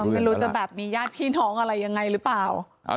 ไม่รู้จะแบบมีญาติพี่น้องอะไรยังไงหรือเปล่า